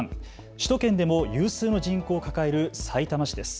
首都圏でも有数の人口を抱えるさいたま市です。